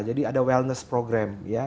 jadi ada wellness program ya